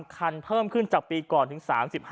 คันเพิ่มขึ้นจากปีก่อนถึง๓๕